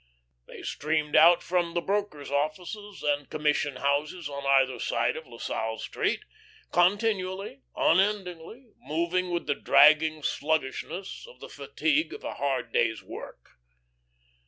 They streamed from out the brokers' offices and commission houses on either side of La Salle Street, continually, unendingly, moving with the dragging sluggishness of the fatigue of a hard day's work.